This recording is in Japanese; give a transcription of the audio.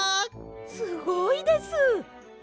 すごいです！